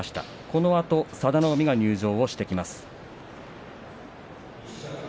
このあと佐田の海が入場してきます。